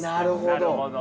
なるほど。